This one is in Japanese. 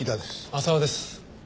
浅輪です。